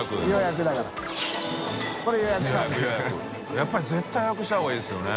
笋辰僂絶対予約した方がいいですよね。